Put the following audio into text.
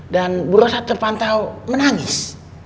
dan buruh saham terpantau menangis